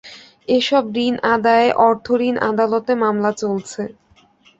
এসব ঋণ আদায়ে অর্থঋণ আদালতে মামলা চলছে।